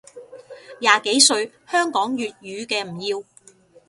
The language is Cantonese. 廿幾歲香港粵語嘅唔要